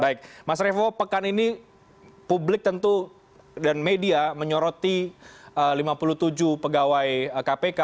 baik mas revo pekan ini publik tentu dan media menyoroti lima puluh tujuh pegawai kpk